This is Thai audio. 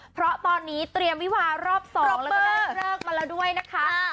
เพราะตอนนี้เตรียมวิวารอบ๒รอบเลิกมาแล้วด้วยนะคะ